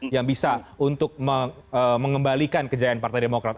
yang bisa untuk mengembalikan kejayaan partai demokrat